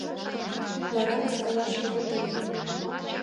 Вара мыскылаш лӱдыт ыле.